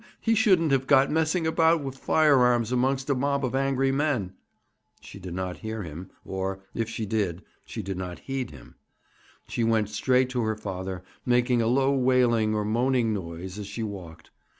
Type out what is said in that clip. He shouldn't have got messing about with firearms amongst a mob of angry men.' She did not hear him, or, if she did, she did not heed him. She went straight to her father, making a low wailing or moaning noise as she walked.